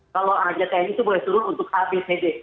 kalau tni itu boleh turun untuk apcd